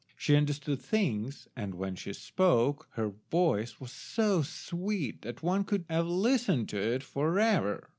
She understood things, and when she spoke her voice was so sweet that one could have listened to it for ever.